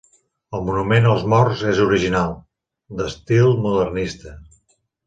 El monument als morts és original, d'estil modernista.